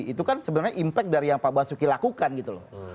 itu kan sebenarnya impact dari yang pak basuki lakukan gitu loh